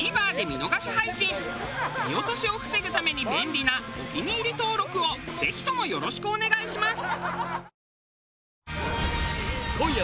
見落としを防ぐために便利なお気に入り登録をぜひともよろしくお願いします。